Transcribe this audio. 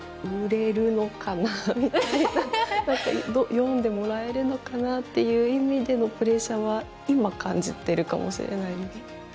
読んでもらえるのかという意味でのプレッシャーは、今感じているかもしれないです。